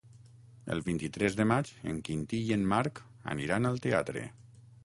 El vint-i-tres de maig en Quintí i en Marc aniran al teatre.